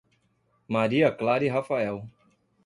Maria Clara e Rafael